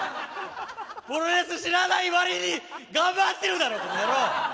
プロレス知らないわりに頑張ってるだろこの野郎！